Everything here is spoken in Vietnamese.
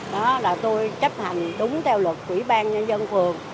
đó là tôi chấp hành đúng theo luật quỹ ban nhân dân phường